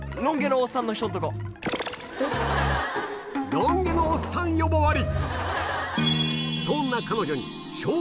ロン毛のおっさん呼ばわり